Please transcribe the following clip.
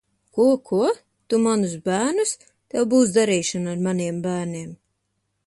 Ko, ko? Tu manus bērnus? Tev būs darīšana ar maniem bērniem!